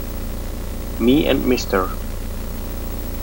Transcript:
Me and Mr.